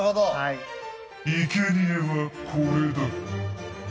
いけにえはこれだ。